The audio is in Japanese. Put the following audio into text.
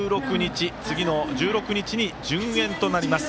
１６日に順延となります。